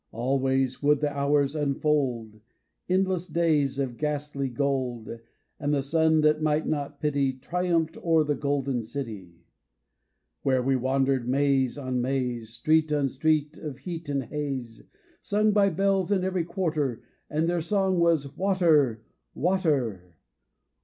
Always would the hours _unold Endless days of ghastly gold, And the sun that might not pity Triumphed o'er a golden city. Where we wandered maze on maze, Street on street of heat and haze, Sung by bells in every quarter, And their song was "Water! Water!"